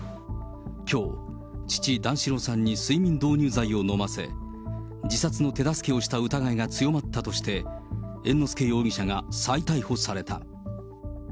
きょう、父、段四郎さんに睡眠導入剤を飲ませ、自殺の手助けをした疑いが強まったとして、猿之助容疑者が再逮捕された。